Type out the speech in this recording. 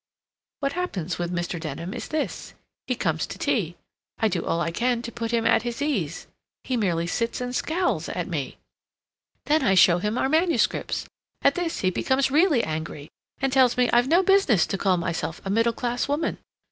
"What happens with Mr. Denham is this: He comes to tea. I do all I can to put him at his ease. He merely sits and scowls at me. Then I show him our manuscripts. At this he becomes really angry, and tells me I've no business to call myself a middle class woman.